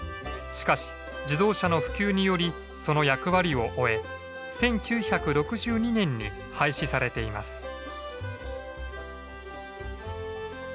しかし自動車の普及によりその役割を終え１９６２年に廃止されています。